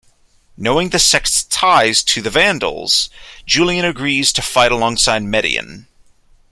Knowing the sect's ties to the Vandals, Julian agrees to fight alongside Medion.